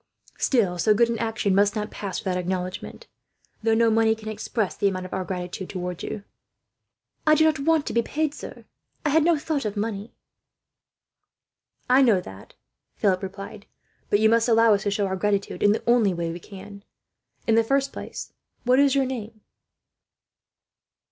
Still, so good an action must not pass without acknowledgment, though no money can express the amount of our gratitude to you." "I do not want to be paid, sir," she said. "I had no thought of money." "I know that," Philip replied; "but you must allow us to show our gratitude, in the only way we can. In the first place, what is your name?"